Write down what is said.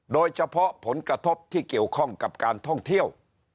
โดยเฉพาะผลกระทบที่เกี่ยวข้องกับการท่องเที่ยว